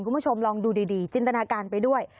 คุณผู้ชมลองดูดีจินตนาการไปด้วย